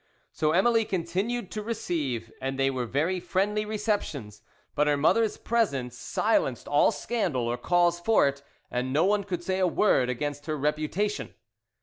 "So Emily continued to receive, and they were very friendly receptions. But her mother's presence silenced all scandal or cause for it, and no one could say a word against her reputation.